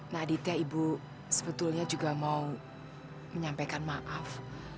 nah aditya ibu sebetulnya juga mau menyampaikan maaf